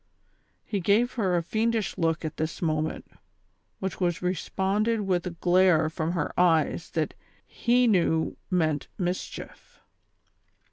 He gave her a fiendish look at this moment, which was responded with a glare from her ej^es that lie knew meant mischief.